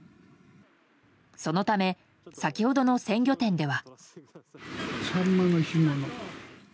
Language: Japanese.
そのため、先ほどの鮮魚店では。